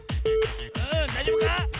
うんだいじょうぶか？